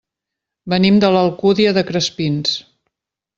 Venim de l'Alcúdia de Crespins.